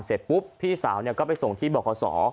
แล้วเสร็จพี่สาวก็ไปส่งที่บคส